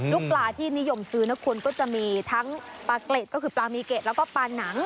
ปลาที่นิยมซื้อนะคุณก็จะมีทั้งปลาเกล็ดก็คือปลามีเกร็ดแล้วก็ปลาหนัง